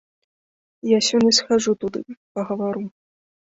Я сёння схаджу туды пагавару.